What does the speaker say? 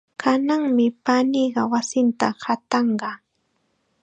Kananmi paniiqa wasinta qatanqa.